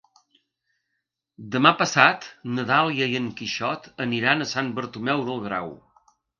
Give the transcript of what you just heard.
Demà passat na Dàlia i en Quixot aniran a Sant Bartomeu del Grau.